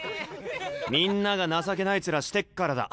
みんなが情けない面してっからだ。